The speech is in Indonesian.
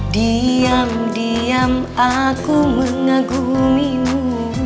diam diam aku mengagumimu